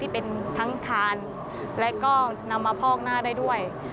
เป็นทั้งทานและก็นำมาพอกหน้าได้ด้วย